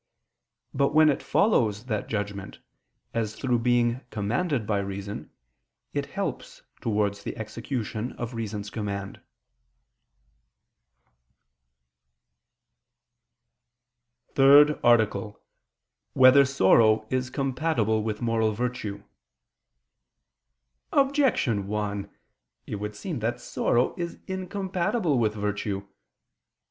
But when it follows that judgment, as through being commanded by reason, it helps towards the execution of reason's command. ________________________ THIRD ARTICLE [I II, Q. 59, Art. 3] Whether Sorrow Is Compatible with Moral Virtue? Objection 1: It would seem that sorrow is incompatible with virtue.